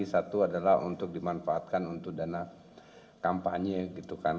satu adalah untuk dimanfaatkan untuk dana kampanye gitu kan